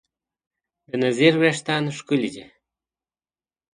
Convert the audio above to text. د نذیر وېښتیان ښکلي دي.